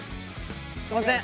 すんません